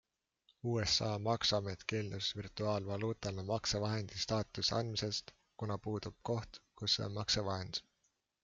USA maksuamet keeldus virtuaalvaluutale maksevahendi staatuse andmisest, kuna puudub koht, kus see on maksevahend.